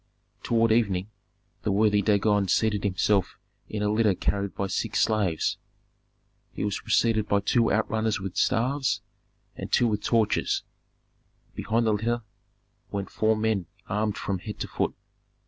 Toward evening the worthy Dagon seated himself in a litter carried by six slaves. He was preceded by two outrunners with staffs, and two with torches; behind the litter went four men armed from head to foot.